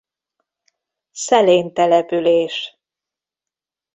Szelén település.